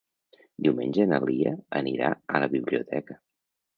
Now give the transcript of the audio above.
Diumenge na Lia anirà a la biblioteca.